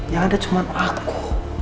yang ada cuma aku